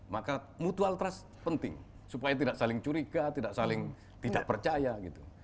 maka mutual trust penting supaya tidak saling curiga tidak saling tidak percaya gitu